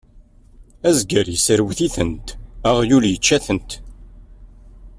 Azger yesserwet-itent, aɣyul yečča-tent.